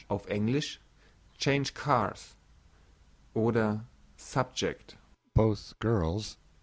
Auf English, change cars oder subject. BOTH GIRLS.